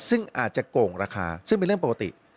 ซึ่งอาจจะโกงราคาซึ่งเป็นเรื่องปกติ